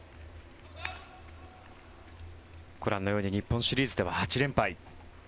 ご覧のように日本シリーズでは８連敗。